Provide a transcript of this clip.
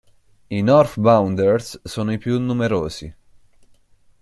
I "north-bounders" sono i più numerosi.